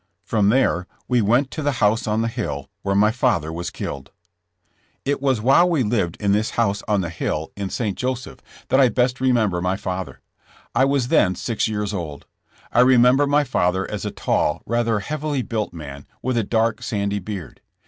From there we went to the house on the hill where my father was killed. It was while we lived in this house on the hill in THINGS I REMKMBKR OF MY FATHER. 9 St. Joseph that I best remember my father. I was then six years old. I remember my father as a tall, rather heavily built man, with a dark sandy beard.